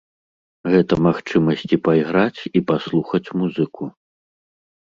Гэта магчымасць і пайграць, і паслухаць музыку.